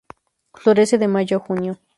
Florece de Mayo a Junio.